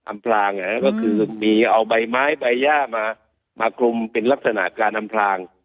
อพลางก็คือมีเอาใบไม้ใบย่ามาคลุมเป็นลักษณะการอำพลาง